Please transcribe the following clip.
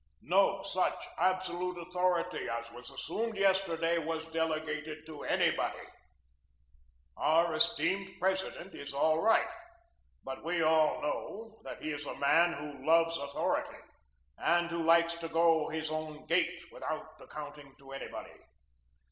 No such absolute authority as was assumed yesterday was delegated to anybody. Our esteemed President is all right, but we all know that he is a man who loves authority and who likes to go his own gait without accounting to anybody.